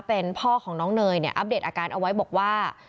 เป็นพ่อของน้องเนยเนี่ยอัปเดตอาการเอาไว้บอกว่า